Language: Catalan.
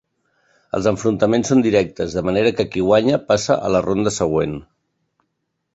Els enfrontaments són directes, de manera que qui guanya, passa a la ronda següent.